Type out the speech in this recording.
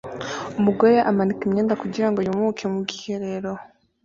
Umugore amanika imyenda kugirango yumuke mu bwiherero